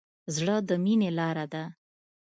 زړه د مینې لاره ده.